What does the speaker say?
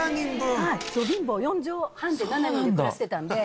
貧乏４畳半で７人で暮らしてたので。